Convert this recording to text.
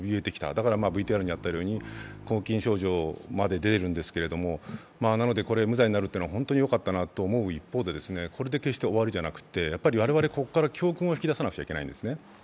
だからＶＴＲにあったように、拘禁症状まで出ているんですけれども、これ、無罪になるというのは本当によかったと思う一方、これで決して終わりじゃなくて、我々はここから教訓を引き出さなければいけないんですね。